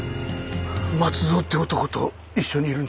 松蔵って男と一緒にいるんだ。